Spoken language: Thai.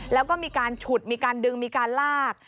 แล้วก็มีการฉุดมีการดึงมีการลาก